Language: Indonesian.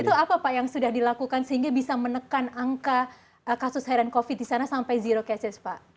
itu apa pak yang sudah dilakukan sehingga bisa menekan angka kasus heran covid di sana sampai zero cases pak